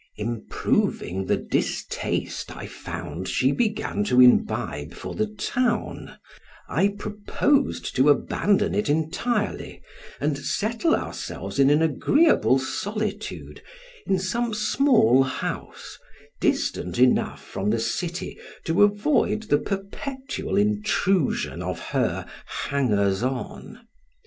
Improving the distaste I found she began to imbibe for the town, I proposed to abandon it entirely, and settle ourselves in an agreeable solitude, in some small house, distant enough from the city to avoid the perpetual intrusion of her hangers on.